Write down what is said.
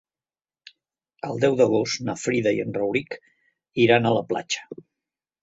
El deu d'agost na Frida i en Rauric iran a la platja.